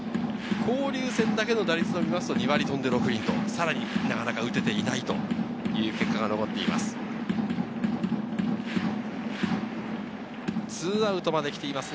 交流戦だけの打率ですと、２割６厘とさらになかなか打てていないという結果が残っています。